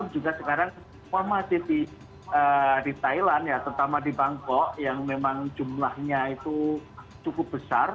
juga sekarang formasi di thailand ya terutama di bangkok yang memang jumlahnya itu cukup besar